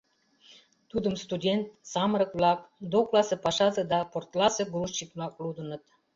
Тудым студент, самырык-влак, докласе пашазе да портласе грузчик-влак лудыныт.